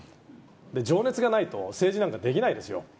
情熱がないと、政治なんかできないですよ。